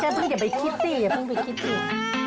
เจ้าพี่อย่าไปคิดสิอย่าเพิ่งไปคิดสิ